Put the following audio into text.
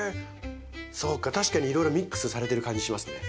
そうか確かにいろいろミックスされてる感じしますね。